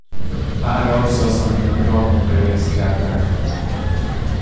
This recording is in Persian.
اعراب ساسانیان را منقرض کردند.